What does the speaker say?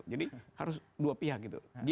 jadi harus dua pihak